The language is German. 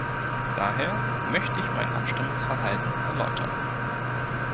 Daher möchte ich mein Abstimmungsverhalten erläutern.